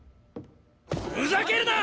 ふざけるな！